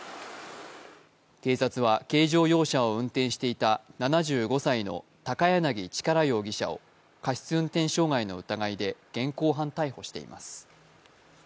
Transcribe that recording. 警察は軽乗用車を運転していた７５歳の高柳力容疑者を過失運転傷害の疑いで現行犯逮捕しています。